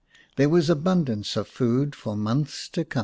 There was abundance of food for months to come.